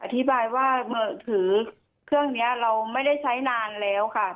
อธิบายว่ามือถือเครื่องนี้เราไม่ได้ใช้นานแล้วค่ะ